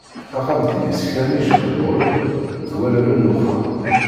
Taxxamt deg-s kra n yijeqḍuren d wallalen n uxxam.